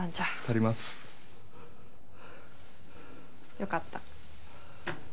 よかった。